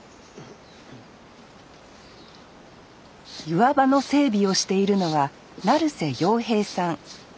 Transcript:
岩場の整備をしているのは成瀬洋平さん